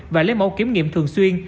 và lấy mẫu kiểm nghiệm thường xuyên